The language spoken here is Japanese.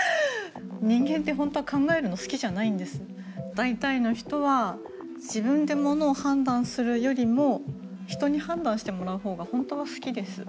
大体の人は自分でものを判断するよりも人に判断してもらうほうが本当は好きです。